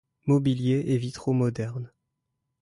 Mobilier et vitraux modernes.